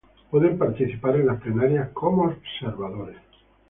Pueden participar en las plenarias como observadores.